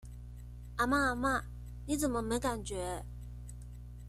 阿嬤阿嬤，你怎麼沒感覺？